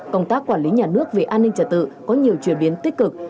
công tác quản lý nhà nước về an ninh trả tự có nhiều chuyển biến tích cực